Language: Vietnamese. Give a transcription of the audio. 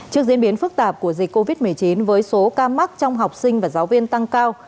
trước diễn biến phức tạp của dịch covid một mươi chín với số ca mắc trong học sinh và giáo viên tăng cao